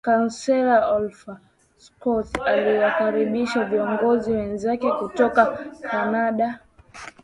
Kansela Olaf Scholz aliwakaribisha viongozi wenzake kutoka Canada